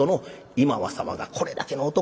今和様がこれだけの男